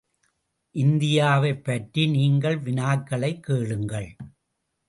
இந்தியாவைப்பற்றி நீங்கள் வினாக்களைக் கேளுங்கள்.